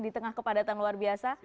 di tengah kepadatan luar biasa